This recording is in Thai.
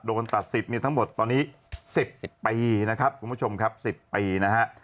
โดนตัดสิทธิ์ทั้งหมดตอนนี้๑๐ปีนะครับคุณผู้ชมครับ๑๐ปีนะฮะ